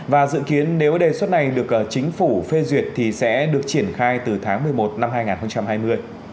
và dự kiến nếu đề xuất này được chính phủ phê duyệt thì sẽ được triển khai từ tháng một mươi một năm hai nghìn hai mươi